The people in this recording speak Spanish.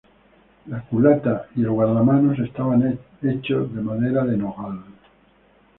La culata y el guardamanos estaban hechos de madera de nogal.